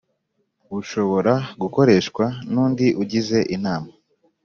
Bushobora gukoreshwa n undi ugize inama